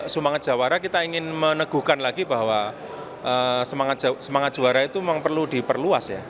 semangat jawara kita ingin meneguhkan lagi bahwa semangat juara itu memang perlu diperluas ya